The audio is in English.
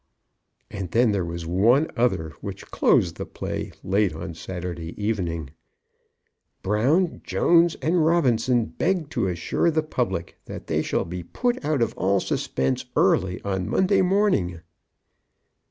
And then there was one other, which closed the play late on Saturday evening; Brown, Jones, and Robinson beg to assure the public that they shall be put out of all suspense early on Monday morning.